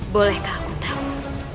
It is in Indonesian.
bolehkah aku tahu